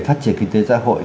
phát triển kinh tế xã hội